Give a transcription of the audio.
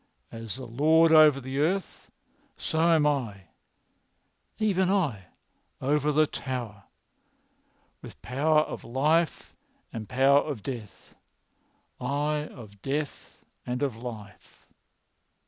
As the Lord over the earth, so am I—even I—over the[Pg 244] Tower, with power of life and power of death, aye of death and of life."